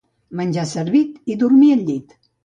Menjar servit i dormir al llit.